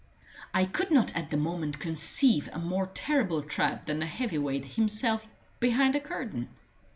I could not at the moment conceive a more terrible trap than the heavy weight himself behind a curtain.